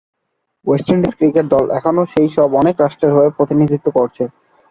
West Indies cricket দল এখনও সেই সব অনেক রাষ্ট্রের হয়ে প্রতিনিধিত্ব করছে।